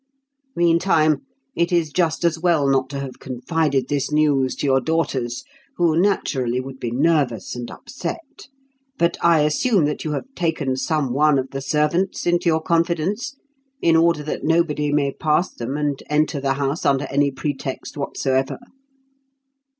Meantime, it is just as well not to have confided this news to your daughters, who, naturally, would be nervous and upset; but I assume that you have taken some one of the servants into your confidence in order that nobody may pass them and enter the house under any pretext whatsoever?"